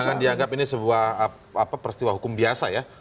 jangan dianggap ini sebuah peristiwa hukum biasa ya